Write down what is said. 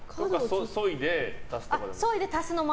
そいで、足すとかでも。